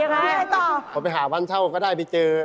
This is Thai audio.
อ้าวยังไงต่อเอาไปหาบ้านเช่าก็ได้ไปเจอ